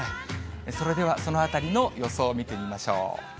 それでは、そのあたりの予想を見てみましょう。